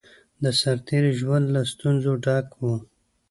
د سرتېری ژوند له ستونزو ډک وو